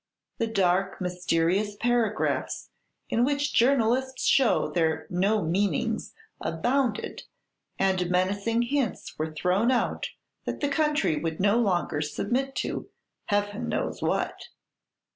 The dark, mysterious paragraphs in which journalists show their no meanings abounded, and menacing hints were thrown out that the country would no longer submit to. Heaven knows what.